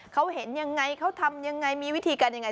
เขาเห็นอย่างไรเขาทำอย่างไรมีวิธีกันอย่างไร